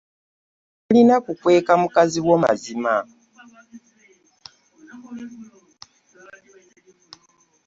Tolina kukweka mukazi wo mazima.